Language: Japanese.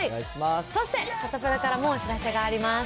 そしてサタプラからもお知らせがあります。